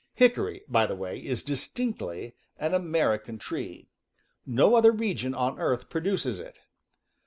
Hick ory, by the way, is distinctly an Amer ican tree; no other region on earth produces it.